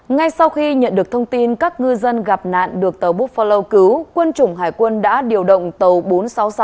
ngay sau khi nhận được thông tin các ngư dân gặp nạn được tàu book flow cứu quân chủng hải quân đã điều động tàu bốn trăm sáu mươi sáu